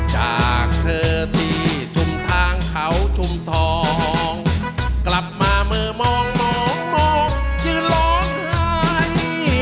จากเธอที่ชุมทางเขาชุมทองกลับมามือมองมองยืนร้องไห้